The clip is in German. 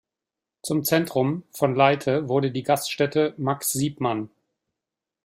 Zum "Zentrum" von Leithe wurde die Gaststätte Max Siepmann.